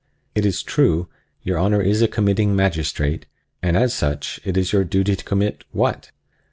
It is true, your Honor is a committing magistrate, and as such it is your duty to commit—what?